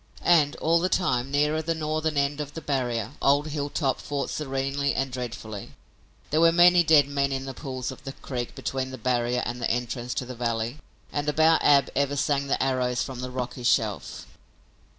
And, all the time, nearer the northern end of the barrier, old Hilltop fought serenely and dreadfully. There were many dead men in the pools of the creek between the barrier and the entrance to the valley. And about Ab ever sang the arrows from the rocky shelf.